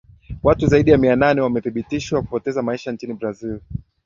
watu zaidi ya mia nane wamethibitishwa kupoteza maisha nchini brazil